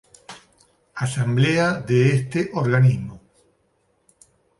Asamblea de este organismo.